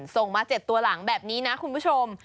ส่งมา๗ตัวหลังแบบนี้นะคุณผู้ชม